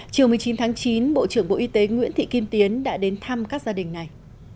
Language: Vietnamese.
chiều một mươi chín tháng chín bộ trưởng bộ y tế nguyễn thị kim tiến đã đến thăm các gia đình này